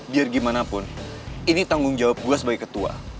biar gimana pun ini tanggung jawab gue sebagai ketua